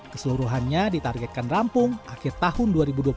keseluruhannya ditargetkan rampung akhir tahun dua ribu dua puluh satu